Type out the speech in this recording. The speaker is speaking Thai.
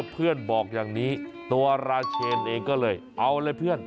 เพื่อนบอกอย่างนี้ตัวราเชนเองก็เลยเอาเลยเพื่อน